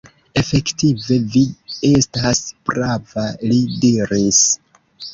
Efektive vi estas prava, li diris.